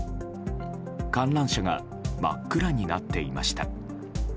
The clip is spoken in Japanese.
観覧車が真っ暗になっていました。